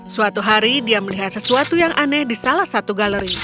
suatu hari dia melihat sesuatu yang aneh di salah satu galeri